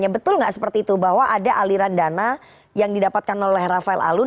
betul nggak seperti itu bahwa ada aliran dana yang didapatkan oleh rafael alun